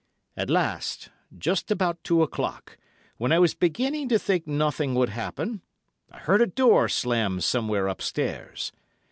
"At last, just about two o'clock, when I was beginning to think nothing would happen, I heard a door slam somewhere upstairs.